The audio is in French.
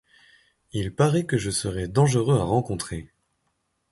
Il paraît que je serais dangereux à rencontrer.